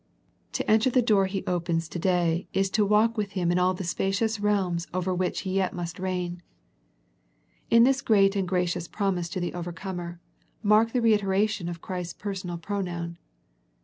To enter the door He opens to day is to walk with The Philadelphia Letter 177 Him in all the spacious realms o'er which He yet must reign. In this great and gracious promise to the overcomer, mark the reiteration of Christ's personal pronoun.